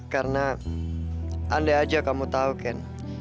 karena andai aja kamu tahu ken